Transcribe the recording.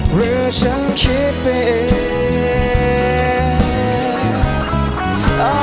หรือฉันคิดเอง